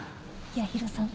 八尋さん